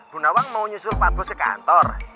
bu nawang mau nyusul pak bos ke kantor